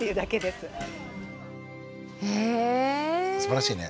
すばらしいね。